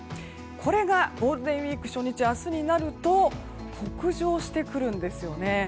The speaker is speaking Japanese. これがゴールデンウィーク初日の明日になると北上してくるんですよね。